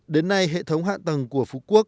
đến nay hệ thống hạ tầng của phú quốc